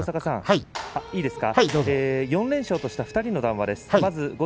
４連勝とした２人の談話です。